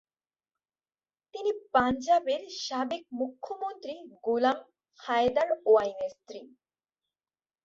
তিনি পাঞ্জাবের সাবেক মূখ্যমন্ত্রী গোলাম হায়দার ওয়াইন এর স্ত্রী।